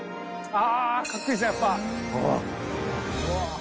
あ。